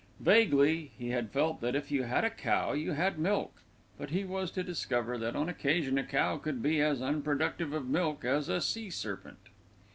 Vaguely he had felt that if you had a cow you had milk; but he was to discover that on occasion a cow could be as unproductive of milk as a sea serpent.